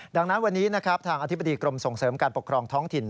ดังนั้นวันนี้นะครับทางอธิบดีกรมส่งเสริมการปกครองท้องถิ่น